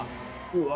「うわ」